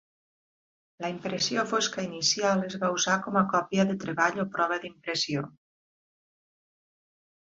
La impressió fosca inicial es va usar com a còpia de treball o prova d'impressió.